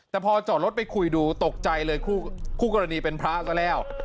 แต่พอจอดรถไปคุยดูตกใจเลยคู่กรณีเป็นพระซะแล้ว